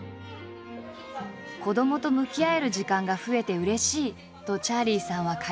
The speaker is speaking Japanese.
子どもと向き合える時間が増えてうれしいとチャーリーさんは快諾。